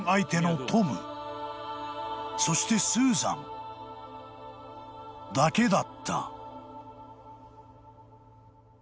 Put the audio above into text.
［そしてスーザンだけだった］